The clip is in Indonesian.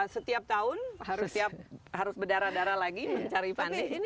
setiap tahun harus berdarah darah lagi mencari funding